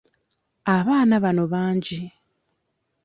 Abaana bano bangi.